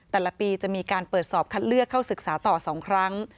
แต่ละปีจะมีการเปิดสอบคัดเลือกเข้าศึกษาต่อ๒ครั้ง